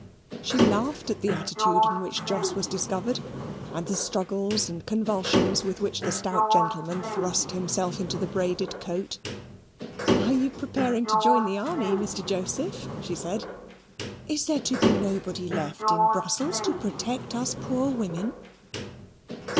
She laughed at the attitude in which Jos was discovered, and the struggles and convulsions with which the stout gentleman thrust himself into the braided coat. "Are you preparing to join the army, Mr. Joseph?" she said. "Is there to be nobody left in Brussels to protect us poor women?"